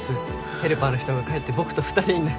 ヘルパーの人が帰って僕と２人になったら。